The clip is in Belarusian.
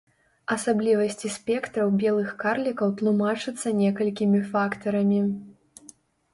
Асаблівасці спектраў белых карлікаў тлумачацца некалькімі фактарамі.